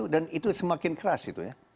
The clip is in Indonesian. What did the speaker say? dan itu semakin keras itu ya